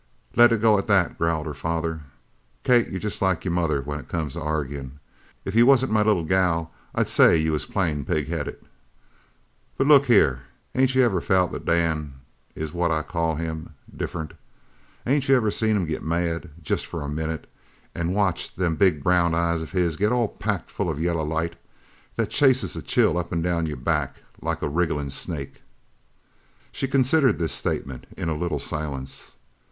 "Let it go at that," growled her father. "Kate, you're jest like your mother when it comes to arguin'. If you wasn't my little gal I'd say you was plain pig headed. But look here, ain't you ever felt that Dan is what I call him different? Ain't you ever seen him get mad jest for a minute an' watched them big brown eyes of his get all packed full of yellow light that chases a chill up and down your back like a wrigglin' snake?" She considered this statement in a little silence.